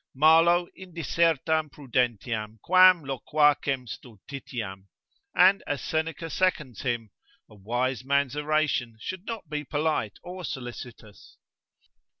Malo indisertam prudentiam, quam loquacem, stultitiam; and as Seneca seconds him, a wise man's oration should not be polite or solicitous.